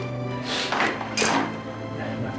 dengan apa kan